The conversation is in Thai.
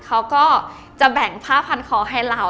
เขาก็จะแบ่งผ้าพันคอให้เรา